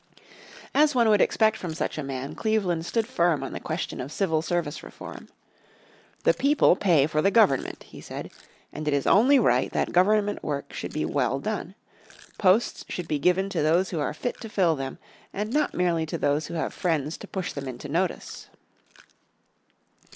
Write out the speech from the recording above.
As one would expect from such a man Cleveland stood firm on the question of civil service reform. "The people pay for the government," he said, "and it is only right that government work should be well done. Posts should be given to those who are fit to fill them, and not merely to those who have friends to push them into notice."